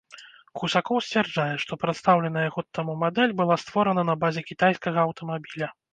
Гусакоў сцвярджае, што прадстаўленая год таму мадэль была створана на базе кітайскага аўтамабіля.